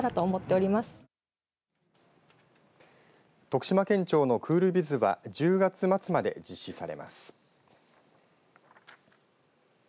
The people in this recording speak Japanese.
徳島県庁のクールビズは１０月末まで実施されます。